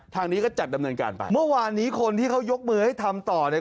ทางนี้ก็จัดดำเนินการไปเมื่อวานนี้คนที่เขายกมือให้ทำต่อเนี่ย